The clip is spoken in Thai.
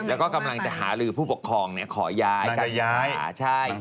แล้วก็กำลังจะหาลือผู้ปกครองขอย้ายการศึกษาใช่